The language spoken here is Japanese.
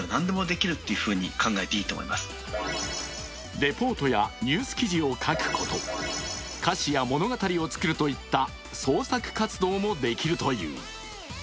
レポートやニュース記事を書くこと、歌詞や物語を作るといった創作活動もできるという。